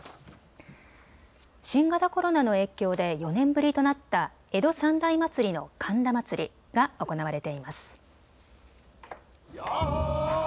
新型コロナの影響で４年ぶりとなった江戸三大祭りの神田祭が行われています。